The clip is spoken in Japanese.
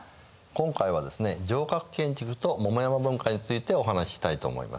今回はですね城郭建築と桃山文化についてお話ししたいと思います。